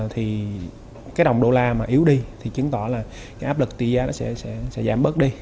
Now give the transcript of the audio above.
thì cái đồng đô la mà yếu đi thì chứng tỏ là cái áp lực tỷ giá nó sẽ giảm bớt đi